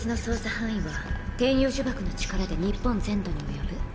範囲は天与呪縛の力で日本全土に及ぶ。